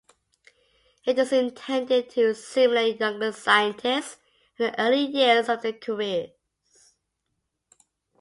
It is intended to stimulate younger scientists in the early years of their careers.